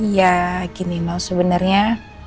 ya gini mau sebenarnya